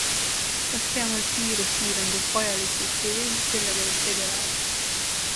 Kas peame kiiruspiirangut vajalikuks või ei, sellega veel tegeleme.